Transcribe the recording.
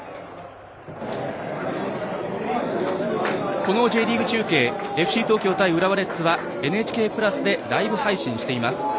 このＪリーグ中継ＦＣ東京対浦和レッズは「ＮＨＫプラス」でライブ配信しています。